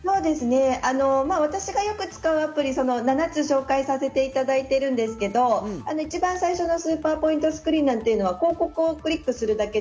私がよく使うアプリを７つ紹介させていただいてるんですけれども、一番最初のスーパーポイントスクリーンは広告をクリックするだけ